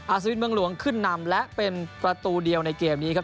สวินเมืองหลวงขึ้นนำและเป็นประตูเดียวในเกมนี้ครับ